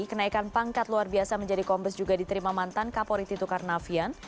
kenaikan pangkat luar biasa menjadi kombes juga diterima mantan kapolri tito karnavian